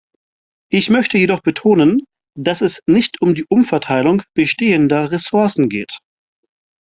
Ich möchte jedoch betonen, dass es nicht um die Umverteilung bestehender Ressourcen geht.